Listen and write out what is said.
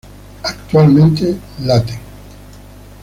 Actualmente, Late!